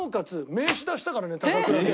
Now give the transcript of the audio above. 名刺出したからね「高倉健」の。